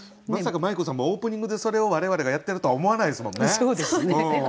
まさかまい子さんもオープニングでそれを我々がやってるとは思わないですもんね。